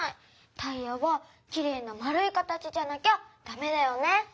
タイヤはきれいなまるい形じゃなきゃダメだよね。